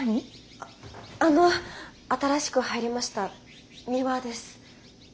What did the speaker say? あっあの新しく入りましたミワです。